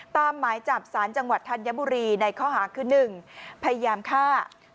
หมายจับสารจังหวัดธัญบุรีในข้อหาคือ๑พยายามฆ่า